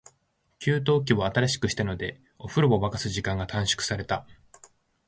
給湯器を新しくしたので、お風呂を沸かす時間が短縮された。